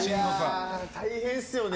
大変っすよね。